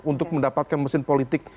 untuk mendapatkan mesin politik